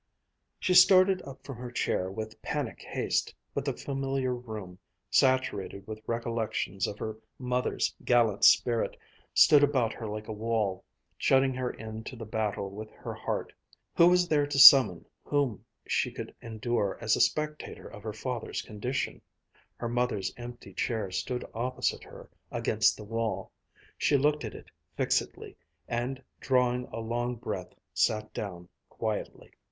She started up from her chair with panic haste, but the familiar room, saturated with recollections of her mother's gallant spirit, stood about her like a wall, shutting her in to the battle with her heart. Who was there to summon whom she could endure as a spectator of her father's condition? Her mother's empty chair stood opposite her, against the wall. She looked at it fixedly; and drawing a long breath sat down quietly.